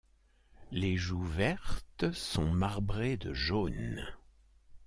Les joues vertes sont marbrées de jaune.